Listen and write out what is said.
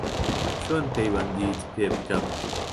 چۆن پەیوەندیت پێ بکەم